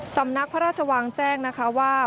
สำนักพระราชวังแจ้งนะคะว่า